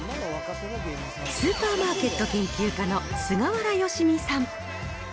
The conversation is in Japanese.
スーパーマーケット研究家の菅原佳己さん。